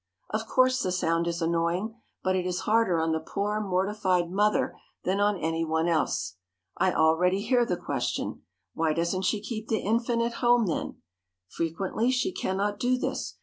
Of course the sound is annoying, but it is harder on the poor mortified mother than on any one else. I already hear the question, "Why doesn't she keep the infant at home then?" Frequently she can not do this.